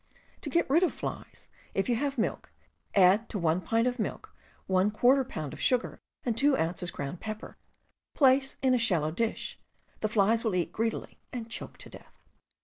To get rid of flies, if you have milk, add to 1 pint of milk \ lb. of sugar and 2 oz. ground pepper; place in a shallow dish; the flies will eat greedily, and choke to death.